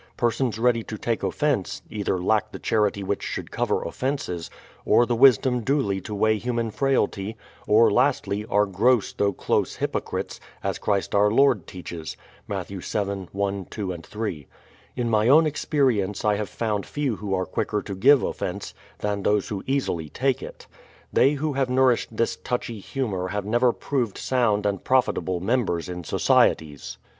Persons ready to take offence, either lack the charity which should cover offences; or the wisdom duly to weigh human frailty; or lastly, are gross though close hypocrites, as Christ our Lord te?.ches (Math, vii, I, 2, 3). In my own experience I have found few who are quicker to give offence, than those who easily take it. They who have nourished this touchy humour have never proved sound and profitable members in societies.